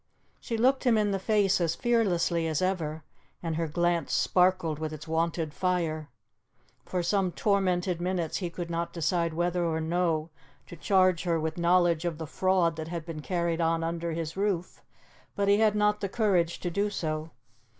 She looked him in the face as fearlessly as ever, and her glance sparkled with its wonted fire. For some tormented minutes he could not decide whether or no to charge her with knowledge of the fraud that had been carried on under his roof, but he had not the courage to do so.